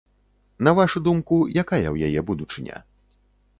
На вашу думку, якая ў яе будучыня?